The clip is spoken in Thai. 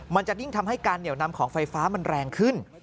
มันจะยิ่งทำให้การเหนียวนำของไฟฟ้ามันแรงขึ้น